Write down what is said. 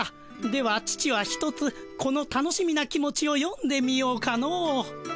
では父はひとつこの楽しみな気持ちをよんでみようかの。